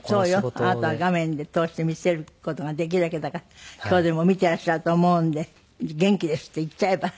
あなたは画面で通して見せる事ができるわけだから今日でも見てらっしゃると思うんで「元気です！」って言っちゃえば？